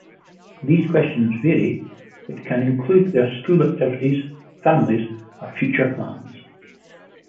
These questions vary, but can include their school activities, families, or future plans.